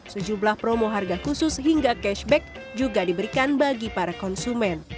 sejumlah promo harga khusus hingga cashback juga diberikan bagi para konsumen